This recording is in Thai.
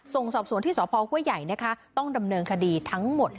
ส่งสอบส่วนที่สพคใหญ่ต้องดำเนินคดีทั้งหมด